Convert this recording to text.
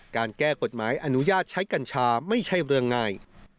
การแก้กฎหมายอนุญาตใช้กัญชาไม่ใช่เรื่องง่าย